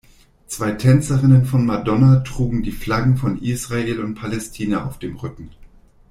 Zwei Tänzerinnen von Madonna trugen die Flaggen von Israel und Palästina auf dem Rücken.